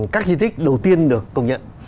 các di tích đầu tiên được công nhận